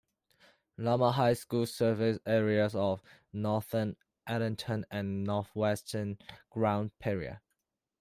Lamar High School serves areas of Northern Arlington and Northwestern Grand Prairie.